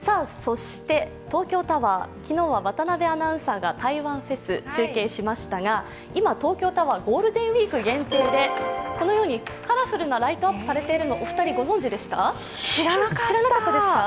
東京タワー、昨日は渡部アナウンサーが、台湾フェス中継しましたが今、東京タワー、ゴールデンウイーク限定でこのようにカラフルなライトアップされているの、ご存じでしたか。